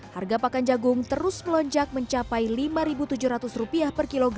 harga pakan jagung terus melonjak mencapai lima rupiah